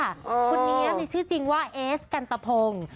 คนนี้มีชื่อจริงว่าเอสกันตะพง